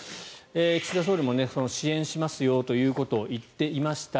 岸田総理も支援しますよということを言っていました。